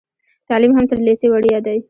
تعلیم هم تر لیسې وړیا دی.